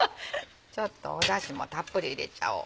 ちょっとだしもたっぷり入れちゃおう。